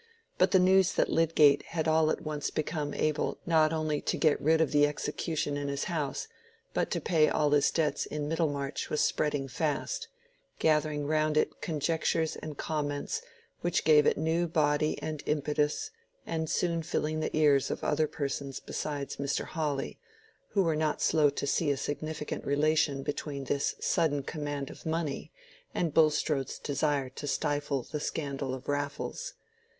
But the news that Lydgate had all at once become able not only to get rid of the execution in his house but to pay all his debts in Middlemarch was spreading fast, gathering round it conjectures and comments which gave it new body and impetus, and soon filling the ears of other persons besides Mr. Hawley, who were not slow to see a significant relation between this sudden command of money and Bulstrode's desire to stifle the scandal of Raffles.